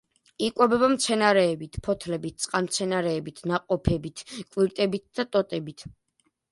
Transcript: იკვებება მცენარეებით: ფოთლებით, წყალმცენარეებით, ნაყოფებით, კვირტებით და ტოტებით.